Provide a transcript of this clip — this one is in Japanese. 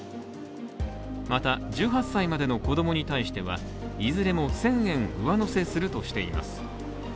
また、１８歳までの子供に対しては、いずれも１０００円上乗せするとしています。